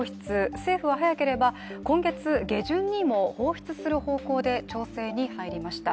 政府は早ければ今月下旬にも放出する方向で調整に入りました。